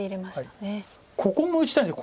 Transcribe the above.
ここも打ちたいんです。